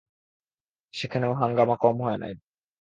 সেখানেও হাঙ্গামা কম হয় নাই।